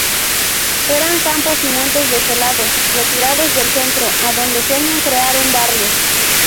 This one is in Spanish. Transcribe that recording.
Eran campos y montes desolados, retirados del centro adonde sueñan crear un barrio.